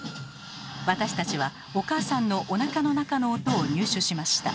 私たちはお母さんのおなかの中の音を入手しました。